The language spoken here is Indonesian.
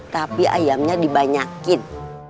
tapi ayamnya dibanyakin